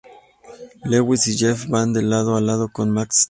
Lewis y Jeff van lado a lado con Max tras ellos.